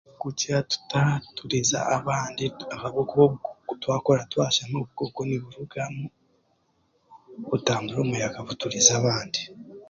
Kugira tutaturiza abandi ahabw'okuba twakora twashami obukooko niburugamu butambure omu muyaga buturize abandi.